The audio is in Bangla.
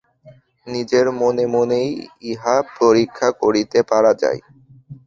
নিজের মনে মনেই ইহা পরীক্ষা করিতে পারা যায়।